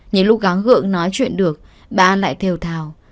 những lúc gắng gượng nói chuyện được bà an lại thều thào